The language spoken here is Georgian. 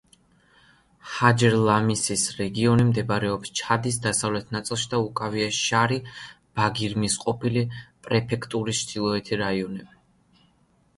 ჰაჯერ-ლამისის რეგიონი მდებარეობს ჩადის დასავლეთ ნაწილში და უკავია შარი-ბაგირმის ყოფილი პრეფექტურის ჩრდილოეთი რაიონები.